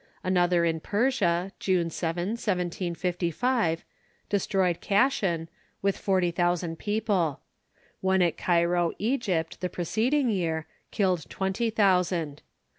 Another in Persia, June 7, 1755, destroyed Kaschan, with forty thousand people; one at Cairo, Egypt, the preceding year, killed twenty thousand.